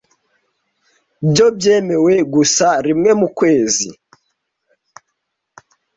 byo byemewe gusa rimwe mukwezi